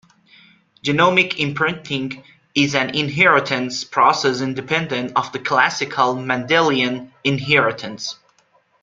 Genomic imprinting is an inheritance process independent of the classical Mendelian inheritance.